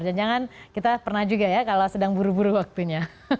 jangan jangan kita pernah juga ya kalau sedang buru buru waktunya